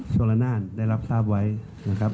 ชนละนานได้รับทราบไว้นะครับ